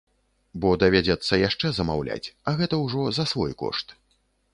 Бо давядзецца яшчэ замаўляць, а гэта ўжо за свой кошт.